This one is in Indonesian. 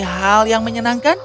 hal yang menyenangkan